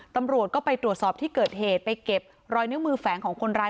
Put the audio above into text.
ตำรวจก็ไปตรวจสอบที่เกิดเหตุไปเก็บรอยนิ้วมือแฝงของคนร้าย